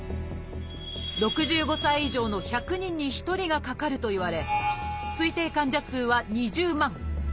６５歳以上の１００人に１人がかかるといわれ推定患者数は２０万。